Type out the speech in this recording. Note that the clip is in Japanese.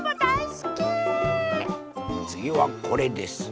つぎはこれです。